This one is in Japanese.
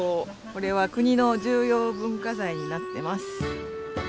これは国の重要文化財になってます。